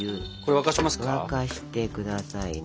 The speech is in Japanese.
沸かして下さいな。